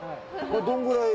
どんぐらい？